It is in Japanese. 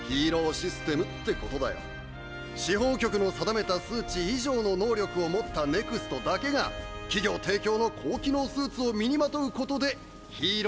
司法局の定めた数値以上の能力を持ったＮＥＸＴだけが企業提供の高機能スーツを身に纏うことでヒーロー活動を許可されるってやつ。